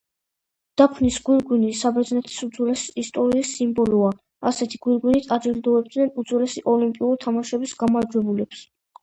დაფნის გვირგვინი საბერძნეთის უძველესი ისტორიის სიმბოლოა, ასეთი გვირგვინით აჯილდოებდნენ უძველესი ოლიმპიური თამაშების გამარჯვებულებს.